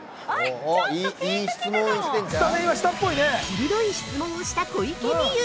◆鋭い質問をした小池美由！